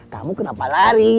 kamu kenapa lari